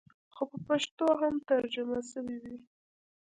خو په پښتو هم ترجمه سوې وې.